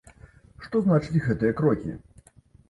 Што значаць гэтыя крокі?